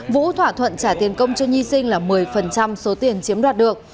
vũ thỏa thuận trả tiền công cho nhi sinh là một mươi số tiền chiếm đoạt được